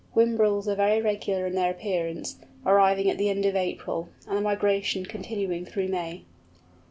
Whimbrels are very regular in their appearance, arriving at the end of April, and the migration continuing through May.